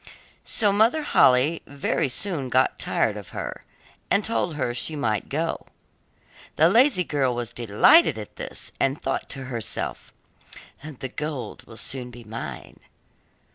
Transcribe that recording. So Mother Holle very soon got tired of her, and told her she might go. The lazy girl was delighted at this, and thought to herself, 'The gold will soon be mine.